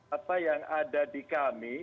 apa yang ada di kami